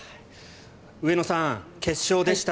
上野さん、決勝でした。